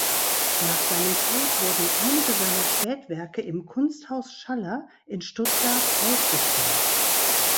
Nach seinem Tod wurden einige seiner Spätwerke im Kunsthaus Schaller in Stuttgart ausgestellt.